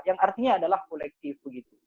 yang artinya adalah kolektif